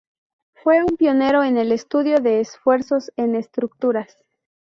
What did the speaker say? Fue un pionero en el estudio de esfuerzos en estructuras.